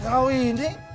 aku mau ke kantor